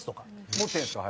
持ってるんですか？